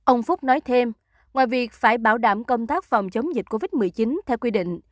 ông phúc nói thêm ngoài việc phải bảo đảm công tác phòng chống dịch covid một mươi chín theo quy định